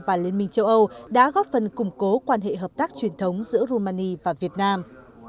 và liên minh châu âu đã góp phần củng cố quan hệ hợp tác truyền thống giữa rumani và việt nam